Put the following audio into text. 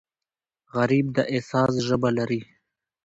غریب د احساس ژبه لري